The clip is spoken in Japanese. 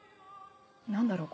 何だろう？